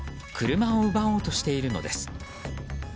車を奪おうとしているのです。